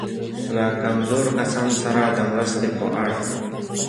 له کمزورو کسانو سره د مرستې په اړه.